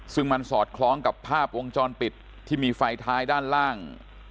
ซึ่งมันสอดคล้องกับภาพวงจรปิดที่มีไฟท้ายด้านล่าง